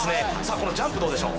このジャンプどうでしょう？